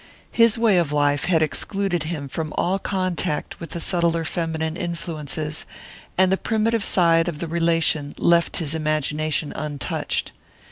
His way of life had excluded him from all contact with the subtler feminine influences, and the primitive side of the relation left his imagination untouched.